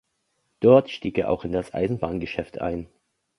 Dort stieg er auch in das Eisenbahngeschäft ein.